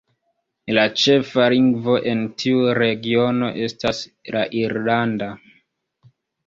La ĉefa lingvo en tiu regiono estas la irlanda.